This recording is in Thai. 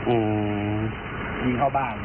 อืมยิงเข้าบ้างอ๋ออ๋อ